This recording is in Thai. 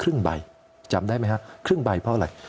ครึ่งใบจำได้ไหมฮะครึ่งใบเพราะอะไร